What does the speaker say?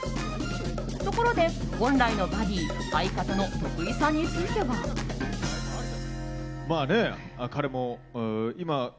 ところで本来のバディ相方の徳井さんについては。辻希美と。